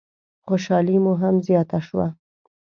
خوشحالي مو هم زیاته شوه.